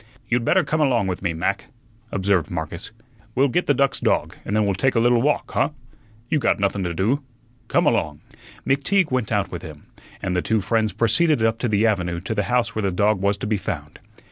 "You'd better come along with me, Mac," observed Marcus. "We'll get the duck's dog, and then we'll take a little walk, huh? You got nothun to do. Come along." McTeague went out with him, and the two friends proceeded up to the avenue to the house where the dog was to be found.